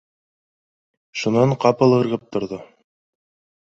Шунан ҡапыл ырғып торҙо: